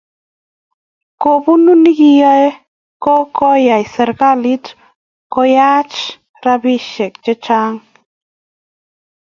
Kobunuu noe ko kiyay serkalit koyaach robishe che chang.